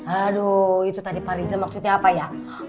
aduh itu tadi pak riza maksudnya apa ya